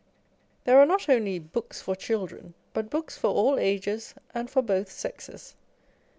There are not only books for children, but books for all ages and for both sexes.